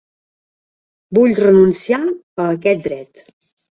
Vull renunciar a aquest dret.